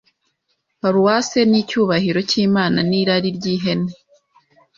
paruwasi nicyubahiro cyImana nirari ryihene